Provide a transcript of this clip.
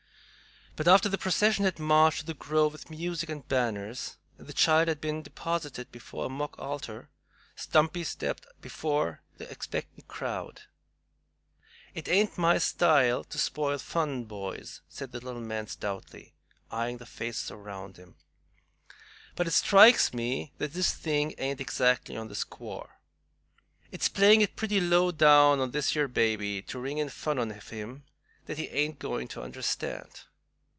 But after the procession had marched to the grove with music and banners, and the child had been deposited before a mock altar, Stumpy stepped before the expectant crowd. "It ain't my style to spoil fun, boys," said the little man, stoutly eyeing the faces around him, "but it strikes me that this thing ain't exactly on the squar. It's playing it pretty low down on this yer baby to ring in fun on him that he ain't goin' to understand.